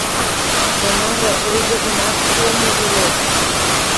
Тынаре ойгыжымат ом уж ыле.